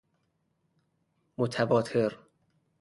متواتر